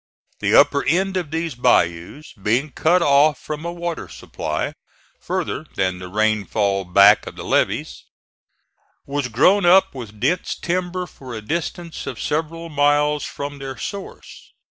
The upper end of these bayous being cut off from a water supply, further than the rainfall back of the levees, was grown up with dense timber for a distance of several miles from their source.